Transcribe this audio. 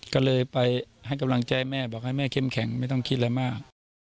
ก็เลยไปให้กำลังใจแม่บอกให้แม่เข้มแข็งไม่ต้องคิดอะไรมาก